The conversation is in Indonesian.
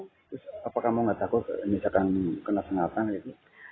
terus apa kamu gak takut misalkan kena pengalaman gitu